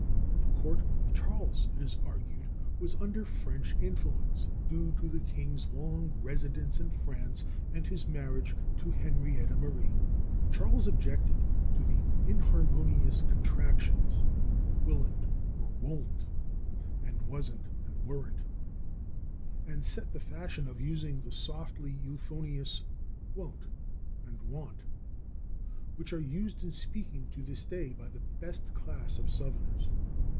The court of Charles, it is argued, was under French influence, due to the king's long residence in France and his marriage to Henrietta Marie. Charles "objected to the inharmonious contractions /will'nt/ (or /wolln't/) and /wasn't/ and /weren't/ ... and set the fashion of using the softly euphonious /won't/ and /wan't/, which are used in speaking to this day by the best class of Southerners."